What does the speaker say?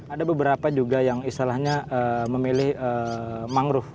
ada beberapa juga yang istilahnya memilih mangrove